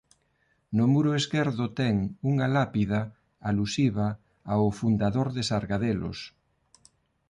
No muro esquerdo ten unha lápida alusiva ao fundador de Sargadelos.